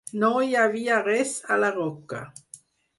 No hi havia res a la roca.